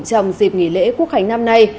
trong dịp nghỉ lễ quốc hành năm nay